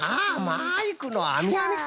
マイクのあみあみか。